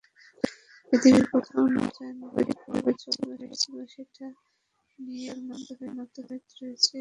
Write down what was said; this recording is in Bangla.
পৃথিবীর প্রথম নৌযানটি কবে জলে ভেসেছিল, সেটা নিয়ে এন্তার মতভেদ রয়েছে ইতিহাসবিদদের মধ্যে।